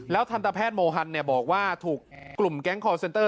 ทันตแพทย์โมฮันบอกว่าถูกกลุ่มแก๊งคอร์เซ็นเตอร์